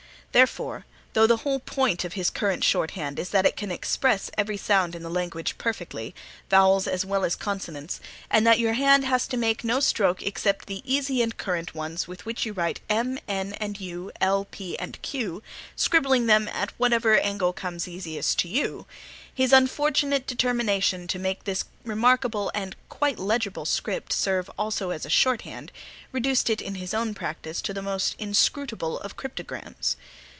Therefore, though the whole point of his "Current Shorthand" is that it can express every sound in the language perfectly, vowels as well as consonants, and that your hand has to make no stroke except the easy and current ones with which you write m, n, and u, l, p, and q, scribbling them at whatever angle comes easiest to you, his unfortunate determination to make this remarkable and quite legible script serve also as a Shorthand reduced it in his own practice to the most inscrutable of cryptograms.